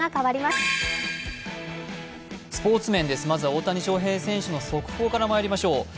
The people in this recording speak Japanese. まずは大谷翔平選手の速報からまいりましょう。